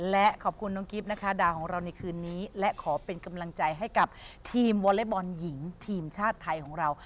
และขอบคุณน้องกิฟต์นะคะดาวของเราในคืนนี้และขอเป็นกำลังใจให้กับทีมวอเล็กบอลหญิงทีมชาติไทยของเรา